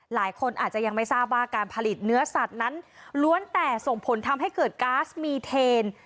หลายคนอาจจะยังไม่ทราบว่าการผลิตเนื้อสัตว์นั้นล้วนแต่ส่งผลทำให้เกิดก๊าซมีเทน